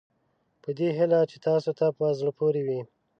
په دې هیله چې تاسوته په زړه پورې وي.